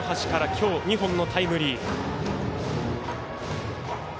今日２本のタイムリー。